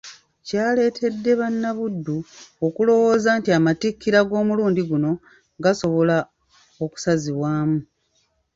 Kyaleetedde bannabuddu okulowooza nti Amatikkira g’omulundi guno gasobola okusazibwamu.